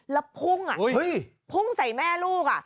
แล้วพุ่งพุ่งใส่แม่ลูก